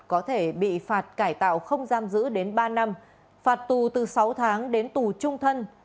có thể bị phạt cải tạo không giam giữ đến ba năm phạt tù từ sáu tháng đến tù trung thân